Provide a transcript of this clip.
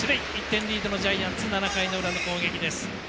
１点リードのジャイアンツ７回の裏の攻撃です。